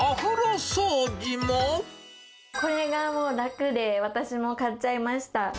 これがもう楽で、私も買っちゃいました。